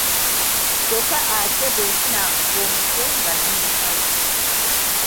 Kyokka ate mbwe nfuna omutwe nga nnyimpawa.